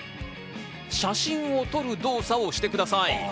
写真を撮る動作をしてください。